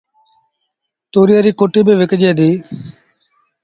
تُوريئي ريٚ ڪُٽيٚ با وڪجي ديٚ